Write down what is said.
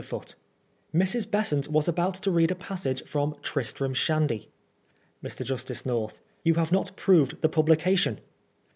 Foote : Mrs. Besant was about to read a passage from * Tristram Shandy ' Mr. Justice North : You have not proved the publication.